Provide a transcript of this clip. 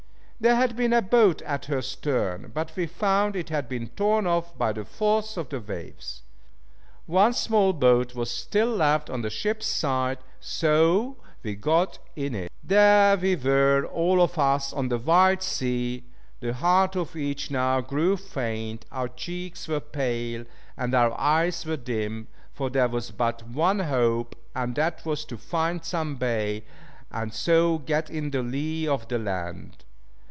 There had been a boat at her stern, but we found it had been torn off by the force of the waves. One small boat was still left on the ship's side, so we got in it. There we were all of us on the wild sea. The heart of each now grew faint, our cheeks were pale, and our eyes were dim, for there was but one hope, and that was to find some bay, and so get in the lee of the land.